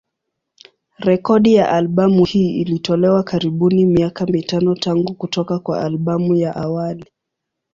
Rekodi ya albamu hii ilitolewa karibuni miaka mitano tangu kutoka kwa albamu ya awali.